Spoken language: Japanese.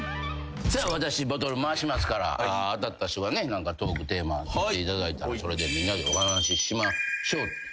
私ボトル回しますから当たった人が何かトークテーマ振っていただいたらそれでみんなでお話ししましょう。